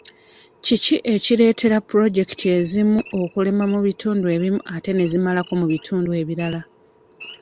Kiki ekireetera puloojekiti ezimu okulema mu bitundu ebimu ate ne zimalako mu bitundu ebirala?